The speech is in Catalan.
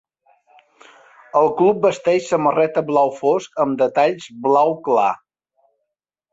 El club vesteix samarreta blau fosc amb detalls blau clar.